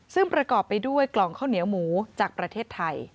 ซึ่งประกอบไปด้วยกล่องข้าวเหนียวหมูจากประเทศไทย